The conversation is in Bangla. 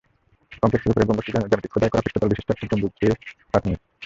কমপ্লেক্সের উপরের গম্বুজটি জ্যামিতিক খোদাই করা পৃষ্ঠতল বিশিষ্ট একটি গম্বুজটির প্রাথমিক।